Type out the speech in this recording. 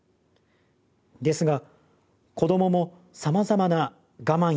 ですが子どももさまざまな我慢やつらい思い